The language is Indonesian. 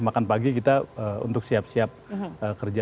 makan pagi kita untuk siap siap kerja